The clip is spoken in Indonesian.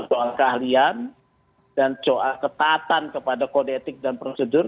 soal keahlian dan soal ketatan kepada kodetik dan prosedur